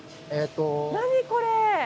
何これ。